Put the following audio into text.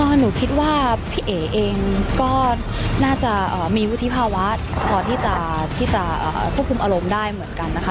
หนูคิดว่าพี่เอ๋เองก็น่าจะมีวุฒิภาวะพอที่จะควบคุมอารมณ์ได้เหมือนกันนะคะ